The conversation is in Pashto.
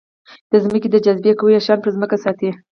د ځمکې د جاذبې قوه شیان پر ځمکې ساتي.